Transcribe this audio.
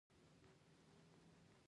دا داوران د یوه کال لپاره انتخابېدل